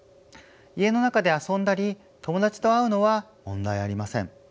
家の中で遊んだり友達と会うのは問題ありません。